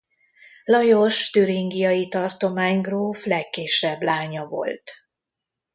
Lajos türingiai tartománygróf legkisebb lánya volt.